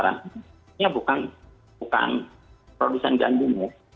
ini bukan produsen gandum ya